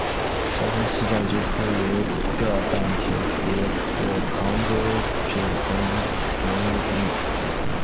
萧山西站最初由浙赣铁路局杭诸段管理处管理。